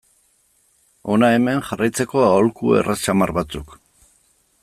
Hona hemen jarraitzeko aholku erraz samar batzuk.